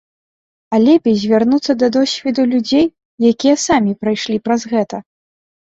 А лепей звярнуцца да досведу людзей, якія самі прайшлі праз гэта.